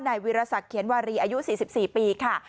วิรสักเขียนวารีอายุ๔๔ปีค่ะ